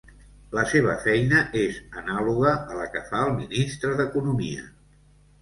La seva feina és anàloga a la que fa el ministre d'economia.